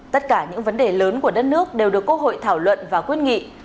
tất cả những vấn đề lớn của đất nước đều được quốc hội thảo luận và quyết nghị